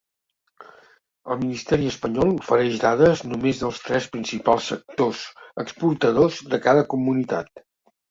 El ministeri espanyol ofereix dades només dels tres principals sectors exportadors de cada comunitat.